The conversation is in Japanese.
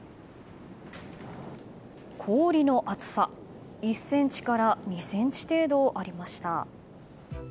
氷の厚さ１ｃｍから２ｃｍ程度ありました。